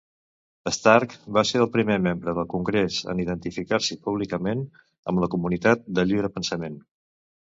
Stark va ser el primer membre del congrés en identificar-se públicament amb la comunitat del lliure pensament.